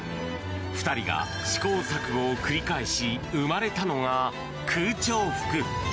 ２人が試行錯誤を繰り返し生まれたのが空調服。